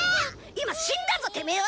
今死んだぞてめぇは！